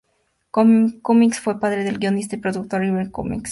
Cummings fue padre del guionista y productor Irving Cummings, Jr.